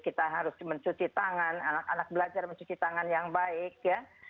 kita harus mencuci tangan anak anak belajar mencuci tangan yang baik ya